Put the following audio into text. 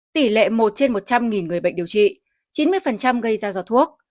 tỷ lệ một trên một trăm linh người bệnh điều trị chín mươi gây ra do thuốc